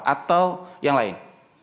atau yang lain